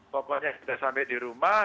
pokoknya sudah sampai di rumah